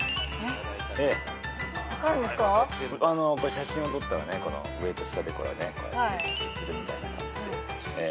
写真を撮ったらね上と下で写るみたいな感じで。